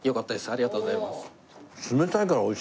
ありがとうございます。